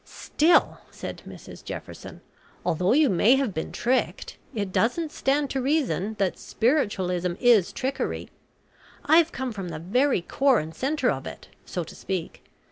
"Still," said Mrs Jefferson, "although you may have been tricked, it doesn't stand to reason that spiritualism is trickery. I've come from the very core and centre of it so to speak.